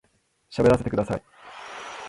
喋らせてください